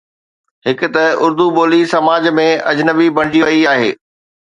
هڪ ته اردو ٻولي سماج ۾ اجنبي بڻجي وئي آهي.